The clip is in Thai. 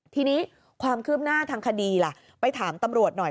ทีนี้ความคืบหน้าทางคดีล่ะไปถามตำรวจหน่อย